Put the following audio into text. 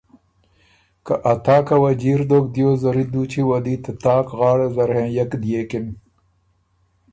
که ا تاکه وه جیر دوک دیو زری دوچی وه دی ته تاک غاړه زر هېنئک ديېکِن۔